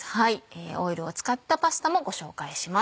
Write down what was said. オイルを使ったパスタもご紹介します。